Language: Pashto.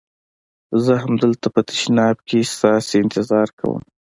زه همدلته په تشناب کې ستاسي انتظار کوم.